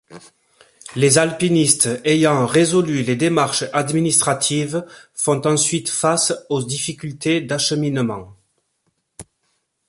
Les alpinistes ayant résolu les démarches administratives font ensuite face aux difficultés d'acheminement.